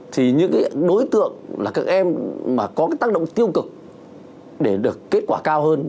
thì những cái đối tượng là các em mà có cái tác động tiêu cực để được kết quả cao hơn